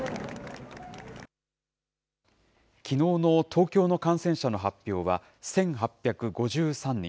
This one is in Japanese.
きのうの東京の感染者の発表は１８５３人。